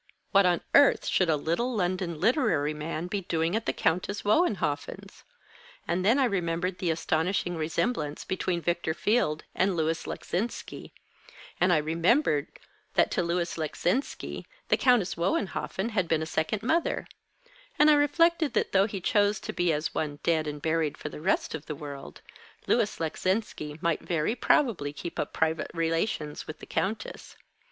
What on earth should a little London literary man be doing at the Countess Wohenhoffen's? And then I remembered the astonishing resemblance between Victor Field and Louis Leczinski; and I remembered that to Louis Leczinski the Countess Wohenhoffen had been a second mother; and I reflected that though he chose to be as one dead and buried for the rest of the world, Louis Leczinski might very probably keep up private relations with the Countess.